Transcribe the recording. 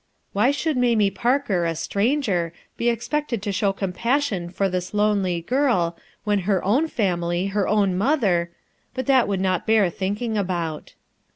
Why should Mamie Parker, a stranger, be expected to show eoinpassiou for this lonely girl when her own family, her own mother — But that would not bear thinking about.